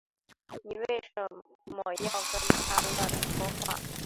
妳为什呢要跟他乱说话